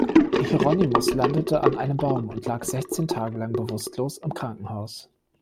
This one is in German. Hieronymus landete an einem Baum und lag sechzehn Tage lang bewusstlos im Krankenhaus.